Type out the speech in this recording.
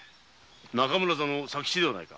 中村座の左吉ではないか。